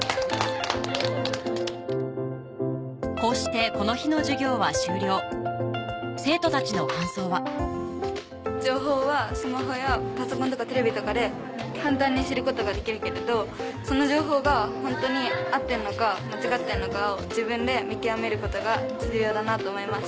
こうしてこの日の授業は終了生徒たちの感想は情報はスマホやパソコンとかテレビとかで簡単に知ることができるけれどその情報がホントに合ってるのか間違ってるのかを自分で見極めることが重要だなと思いました。